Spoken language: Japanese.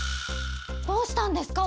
どうしたんですか？